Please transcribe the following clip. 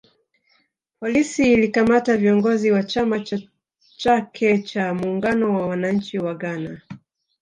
Polisi ilikamata viongozi wa chama cha chake cha muungano wa wananchi wa Ghana